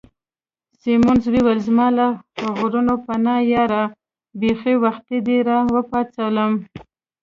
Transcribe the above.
سیمونز وویل: زما له غرونو پناه یاره، بیخي وختي دي را وپاڅولم.